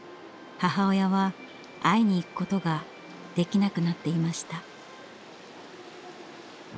母親は会いに行くことができなくなっていました。